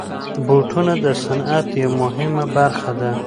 بوټونه د صنعت یوه مهمه برخه ده.